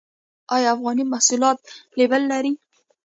آیا افغاني محصولات لیبل لري؟